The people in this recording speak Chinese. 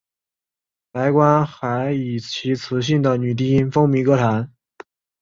白光还以其磁性的女低音风靡歌坛。